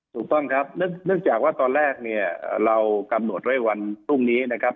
ถูกต้องครับเนื่องจากว่าตอนแรกเนี่ยเรากำหนดไว้วันพรุ่งนี้นะครับ